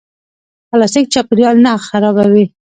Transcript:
پلاستیک چاپیریال نه خرابوي